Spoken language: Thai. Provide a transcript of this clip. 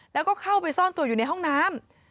แล้วก็เข้าไปซ่อนตัวอยู่ในห้องน้ำ